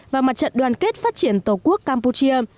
và mặt trận đoàn kết phát triển tổ quốc campuchia